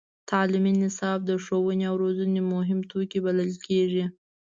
تعلیمي نصاب د ښوونې او روزنې مهم توکی بلل کېږي.